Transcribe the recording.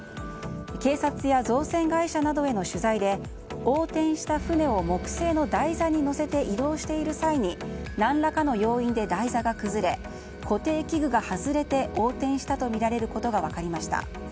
警察や造船会社などへの取材で横転した船を木製の台座に載せて移動している際に何らかの要因で台座が崩れ固定機具が外れて横転したとみられることが分かりました。